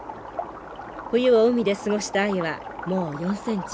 冬を海で過ごしたアユはもう４センチ。